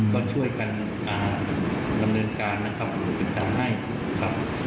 ก็ช่วยกันดำเนินการนะครับเป็นการให้ครับ